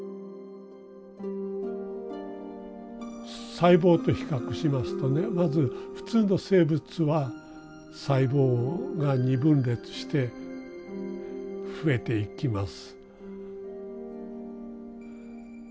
細胞と比較しますとねまず普通の生物は細胞が二分裂して増えていきます。